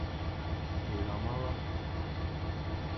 Уйлама ла...